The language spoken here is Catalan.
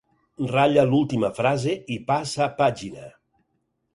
Ratlla l'última frase i passa pàgina.